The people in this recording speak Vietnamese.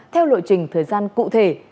theo lội trình thời gian cụ thể